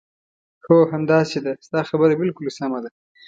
هو، همداسې ده، ستا خبره بالکل سمه ده.